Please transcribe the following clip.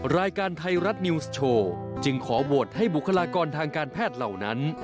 รายการไทยรัฐนิวส์โชว์จึงขอโหวตให้บุคลากรทางการแพทย์เหล่านั้น